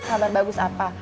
kabar bagus apa